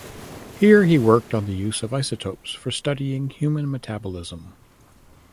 Here he worked on the use of isotopes for studying human metabolism.